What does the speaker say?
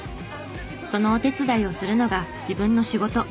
そのお手伝いをするのが自分の仕事。